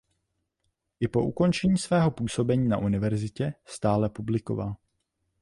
I po ukončení svého působení na univerzitě stále publikoval.